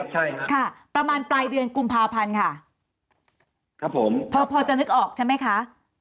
ใช่ครับประมาณปลายเดือนกลุ่มภาพันธ์ค่ะพอจะนึกออกใช่ไหมคะ